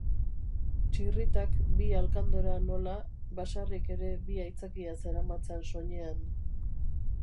Txirritak bi alkandora nola, Basarrik ere bi aitzakia zeramatzan soinean.